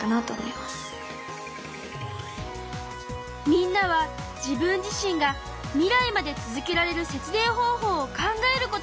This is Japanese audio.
みんなは自分自身が未来まで続けられる節電方法を考えることにしたの。